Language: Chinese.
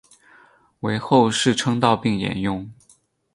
为后世称道并沿用。